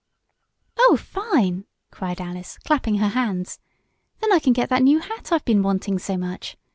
"Oh, fine!" cried Alice, clapping her hands. "Then I can get that new hat I've been wanting so much.